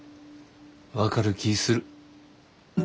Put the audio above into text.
分かる気ぃする。